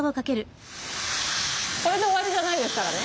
これで終わりじゃないですからね。